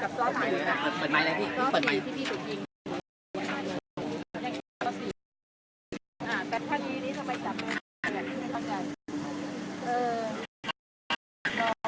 พอพวกเจ๋อใบละเอียดน่ะ